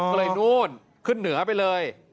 ในที่นู้นขึ้นเหนือไปเลย